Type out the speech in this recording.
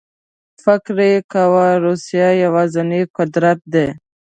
فکر یې کاوه روسیه یوازینی قدرت دی.